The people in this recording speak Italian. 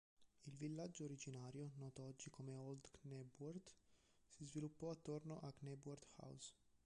Il villaggio originario, noto oggi come Old Knebworth, si sviluppò attorno a Knebworth House.